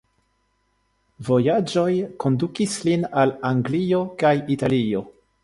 Vojaĝoj kondukis lin al Anglio kaj Italio.